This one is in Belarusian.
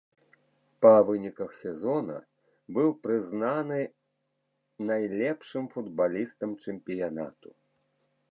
Па выніках сезона быў прызнаны найлепшым футбалістам чэмпіянату.